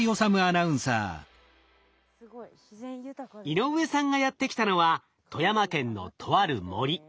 井上さんがやって来たのは富山県のとある森。